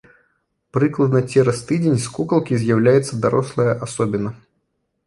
Прыкладна цераз тыдзень з кукалкі з'яўляецца дарослая асобіна.